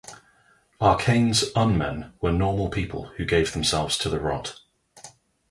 Arcane's Un-Men were normal people who gave themselves to the Rot.